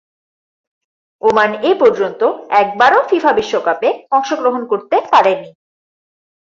Oman এপর্যন্ত একবারও FIFA বিশ্বকাপে অংশগ্রহণ করতে পারেনি।